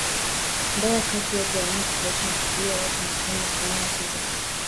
ndoa kati watu wa rangi tofauti na kuzuia watu maskini wasitumie haki za